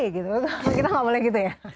kita nggak boleh gitu ya